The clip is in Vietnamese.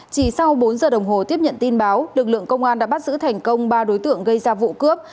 chỉ sau bốn giờ đồng hồ tiếp nhận tin báo lực lượng công an đã bắt giữ thành công ba đối tượng gây ra vụ cướp